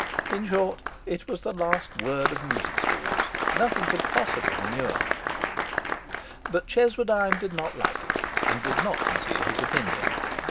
In short, it was the last word of music stools; nothing could possibly be newer. But Cheswardine did not like it, and did not conceal his opinion.